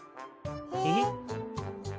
えっ。